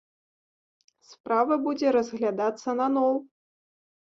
Справа будзе разглядацца наноў.